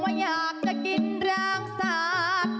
ว่าอยากจะกินแรงศาสตร์